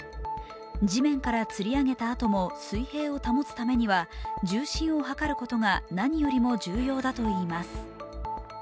地面からつり上げたあとも水平を保つためには重心を測ることが何よりも重要だといいます。